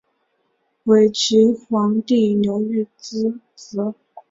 伪齐皇帝刘豫之子。